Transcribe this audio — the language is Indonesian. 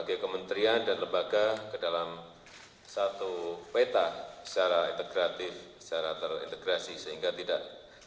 sebagai kementerian dan lembaga ke dalam satu peta secara integratif secara terintegrasi sehingga tidak